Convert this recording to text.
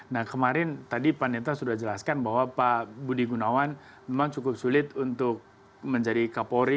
nah kemarin tadi pak neta sudah jelaskan bahwa pak budi gunawan memang cukup sulit untuk menjadi kapolri